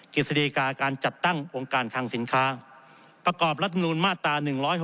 กิจสดีกาการจัดตั้งองค์การคังสินค้าประกอบรัฐมนูลมาตรา๑๖๖